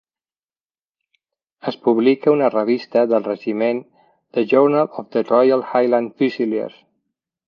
Es publica una revista del regiment, "The Journal of the Royal Highland Fusiliers".